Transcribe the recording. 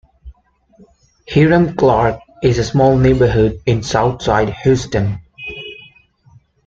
Hiram Clarke is a small neighborhood in south side Houston.